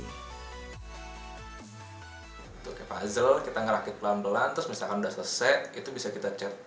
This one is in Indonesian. untuk ke puzzle kita merakit pelan pelan